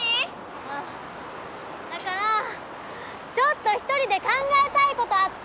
あっだからちょっと１人で考えたいことあって！